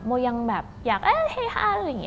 โมยังแบบอยากเอ๊ะให้ฮาอะไรอย่างนี้